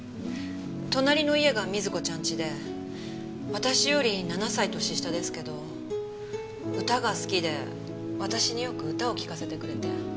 隣の家が瑞子ちゃんちで私より７歳年下ですけど歌が好きで私によく歌を聞かせてくれて。